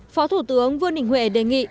phó thủ tướng vương đình huệ đề nghị